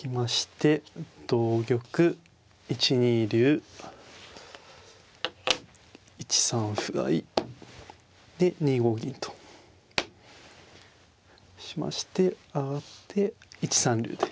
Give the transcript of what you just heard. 同玉１二竜１三歩合いで２五銀としまして上がって１三竜で。